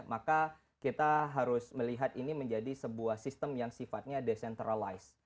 maka kita harus melihat ini menjadi sebuah sistem yang sifatnya decentralized